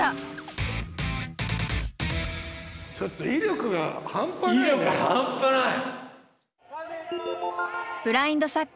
ちょっと威力が半端ないね。